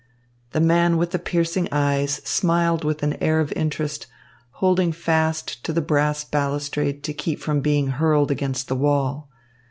The man with the piercing eyes smiled with an air of interest, holding fast to the brass balustrade to keep from being hurled against the wall.